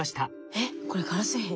えっこれガラス片？